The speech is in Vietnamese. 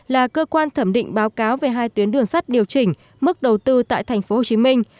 là cơ quan thẩm định báo cáo về hai tuyến đường sắt điều chỉnh mức đầu tư tại thành phố hồ chí minh